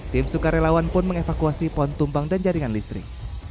tim sukarelawan pun mengevakuasi pohon tumbang dan jaringan listrik